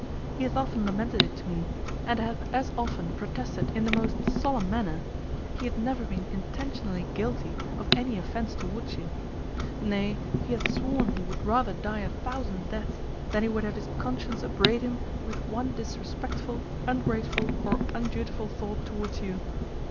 He hath often lamented it to me, and hath as often protested in the most solemn manner he hath never been intentionally guilty of any offence towards you; nay, he hath sworn he would rather die a thousand deaths than he would have his conscience upbraid him with one disrespectful, ungrateful, or undutiful thought towards you.